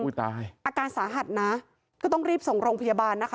ตายอาการสาหัสนะก็ต้องรีบส่งโรงพยาบาลนะคะ